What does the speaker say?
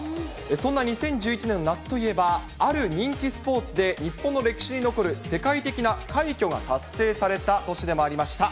そんな２０１１年夏といえば、ある人気スポーツで日本の歴史に残る世界的な快挙が達成された年でもありました。